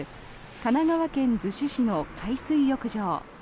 神奈川県逗子市の海水浴場。